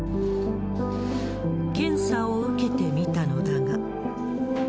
検査を受けてみたのだが。